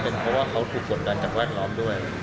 เพราะว่าเขาถูกกดดันจากแวดล้อมด้วย